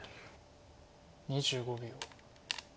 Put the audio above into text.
２５秒。